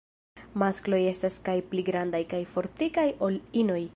Maskloj estas kaj pli grandaj kaj fortikaj ol inoj.